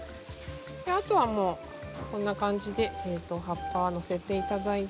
あとは、こんな感じで葉っぱを載せていただいて。